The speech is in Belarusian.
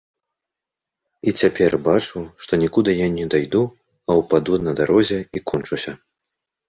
І цяпер бачу, што нікуды я не дайду, а ўпаду на дарозе і кончуся.